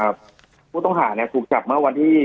ก็คือว่าผู้ต้องหาถูกจับเมื่อวันที่๒๔พฤศจิกายน๒๕๖๕